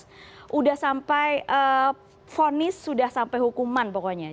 sudah sampai fonis sudah sampai hukuman pokoknya